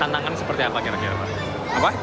tentangannya apa pak